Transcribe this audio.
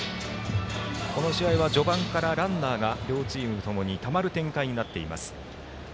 この試合は序盤がランナーが両チームともにたまる展開になっています。